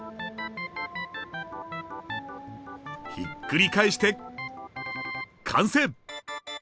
ひっくり返して完成！